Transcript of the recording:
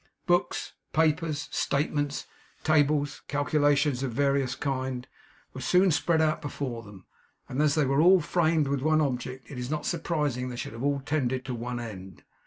Books, papers, statements, tables, calculations of various kinds, were soon spread out before them; and as they were all framed with one object, it is not surprising that they should all have tended to one end.